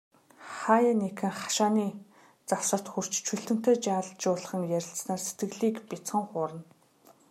Хааяа нэгхэн, хашааны завсарт хүрч, Чүлтэмтэй жаал жуулхан ярилцсанаар сэтгэлийг бяцхан хуурна.